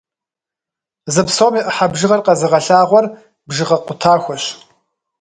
Зы псом и ӏыхьэ бжыгъэр къэзыгъэлъагъуэр бжыгъэ къутахуэщ.